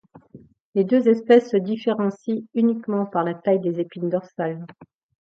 Les deux espèces se différencient uniquement par la taille des épines dorsales.